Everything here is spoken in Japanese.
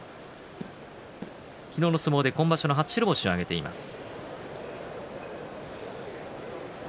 昨日の相撲で今場所の初白星を挙げています。